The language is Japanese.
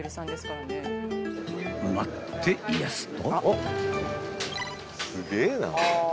［待っていやすと］